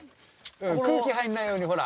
空気入んないようにほら。